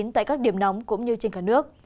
tại các điểm nóng cũng như trên cả nước